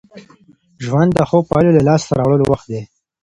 ژوند د ښو پايلو د لاسته راوړلو وخت دی.